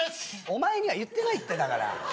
お前には言ってないってだから。